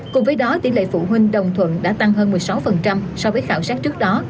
cùng với đó tỷ lệ phụ huynh đồng thuận đã tăng hơn một mươi sáu so với khảo sát trước đó